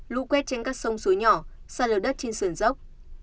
lũ quét trên các sông suối nhỏ xa lờ đất trên sườn dốc